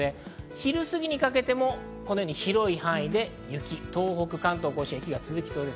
昼過ぎにかけてもこのように広い範囲で雪、東北、関東甲信、雪が続きそうです。